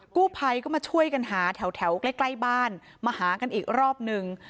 กู้ภัยก็มาช่วยกันหาแถวใกล้บ้านมาหากันอีกรอบนึง